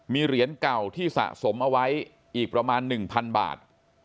มีเหรียญเก่าที่สะสมเอาไว้อีกประมาณ๑๐๐๐บาท